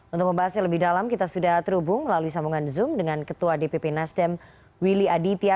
untuk membahasnya lebih dalam kita sudah terhubung melalui sambungan zoom dengan ketua dpp nasdem willy aditya